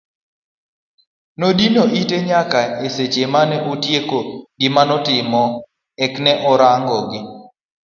Nodino ite nyaka e seche mane otieko gima notimo ek ne orang'ogi.